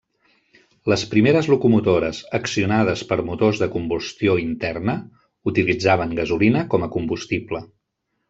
Les primeres locomotores accionades per motors de combustió interna utilitzaven gasolina com a combustible.